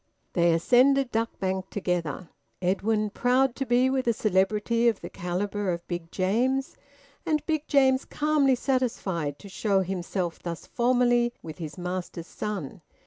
They ascended Duck Bank together, Edwin proud to be with a celebrity of the calibre of Big James, and Big James calmly satisfied to show himself thus formally with his master's son.